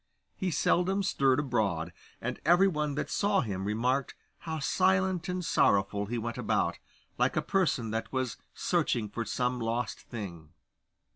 He seldom stirred abroad, and every one that saw him remarked how silent and sorrowful he went about, like a person that was searching for some lost thing.